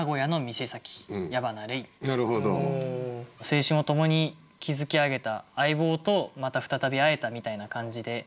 青春を共に築き上げた相棒とまた再び会えたみたいな感じで。